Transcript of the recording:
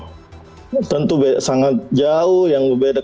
tentu sangat jauh yang berbeda